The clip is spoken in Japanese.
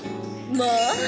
まあ！